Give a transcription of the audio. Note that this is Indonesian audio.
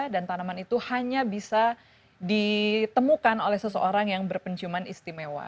dan tanaman itu hanya bisa ditemukan oleh seseorang yang berpenciuman istimewa